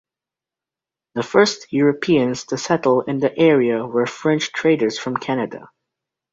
The first Europeans to settle in the area were French traders from Canada.